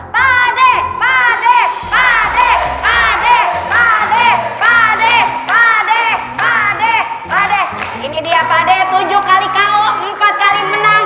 pade pade pade pade pade pade pade ini diap volleyball kali karwo empat kali menang